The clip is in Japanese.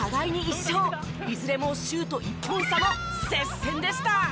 いずれもシュート１本差の接戦でした。